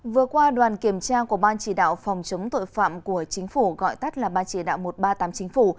vừa qua đoàn kiểm tra của ban chỉ đạo phòng chống tội phạm của chính phủ gọi tắt là ban chỉ đạo một trăm ba mươi tám chính phủ